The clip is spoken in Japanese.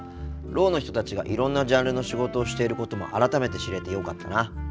ろうの人たちがいろんなジャンルの仕事をしていることも改めて知れてよかったな。